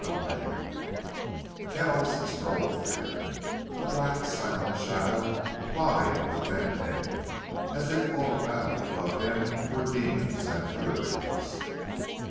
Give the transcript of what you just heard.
5 Kells strode there, a black, silent shadow, plodding with bent head, as if all about and above him were demons and furies.